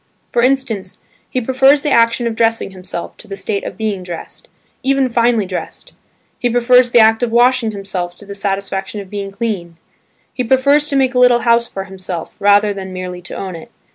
For instance, he prefers the action of dressing himself to the state of being dressed, even finely dressed. He prefers the act of washing himself to the satisfaction of being clean: he prefers to make a little house for himself, rather than merely to own it.